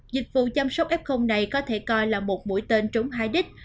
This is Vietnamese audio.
dịch vụ chăm sóc f này có thể coi là một mũi tên trúng hai đích